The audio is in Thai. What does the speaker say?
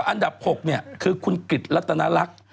อันดับ๖เนี่ยคือคุณกิจลัตนารัก